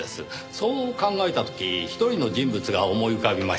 そう考えた時一人の人物が思い浮かびました。